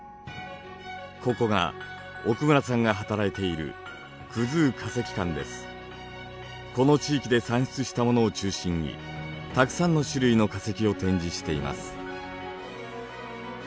ここが奥村さんが働いているこの地域で産出したものを中心にたくさんの種類の化石を展示しています。